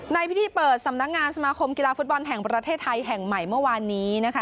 ในพิธีเปิดสำนักงานสมาคมกีฬาฟุตบอลแห่งประเทศไทยแห่งใหม่เมื่อวานนี้นะคะ